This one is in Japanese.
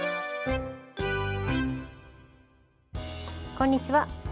こんにちは。